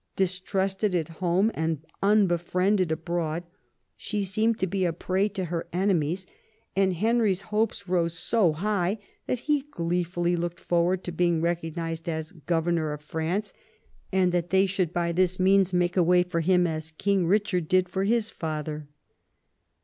Distrusted at home and unbefriended abroad, she seemed to be a prey to her enemies; and Henry's hopes rose so high that he gleefully looked forward to being recognised as "governor of France,'* and that " they should by this means make a way for him as King Eichard did for his father.''